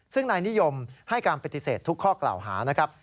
ซึ่งนายนิยมให้การปฏิเสธทุกข้อกล่าวหานะครับ